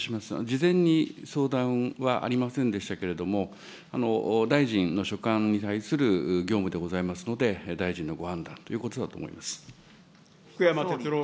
事前に相談はありませんでしたけれども、大臣の所管に対する業務でございますので、大臣のご判断というこ福山哲郎君。